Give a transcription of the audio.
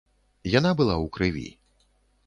Яна была ў крыві.